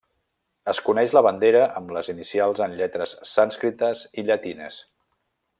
Es coneix la bandera amb les inicials en lletres sànscrites i llatines.